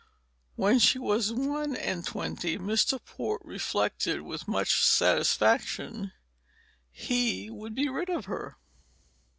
When she was one and twenty, as Mr. Port reflected with much satisfaction, he would be rid of her.